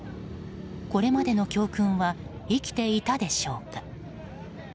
これまでの教訓は生きていたでしょうか。